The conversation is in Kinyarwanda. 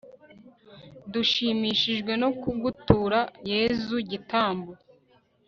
dushimishijwe no kugutura yezu, gitambo